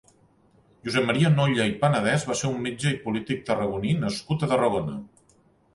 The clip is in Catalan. Josep Maria Nolla i Panadès va ser un metge i polític tarragoní nascut a Tarragona.